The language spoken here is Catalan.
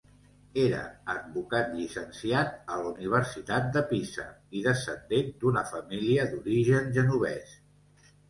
Era advocat llicenciat a la Universitat de Pisa, i descendent d'una família d'origen genovès.